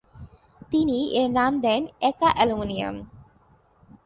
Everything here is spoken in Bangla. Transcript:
তিনি এর নাম দেন একা-অ্যালুমিনিয়াম।